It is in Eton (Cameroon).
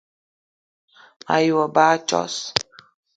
Me ye wo ba a tsos